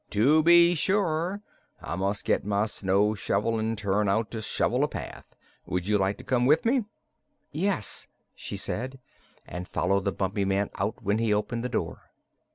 "To be sure. I must get my snow shovel and turn out to shovel a path. Would you like to come with me?" "Yes," she said, and followed the Bumpy Man out when he opened the door.